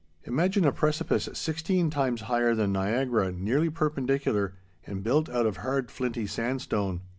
Imagine a precipice sixteen times higher than Niagara, nearly perpendicular, and built out of hard flinty sandstone.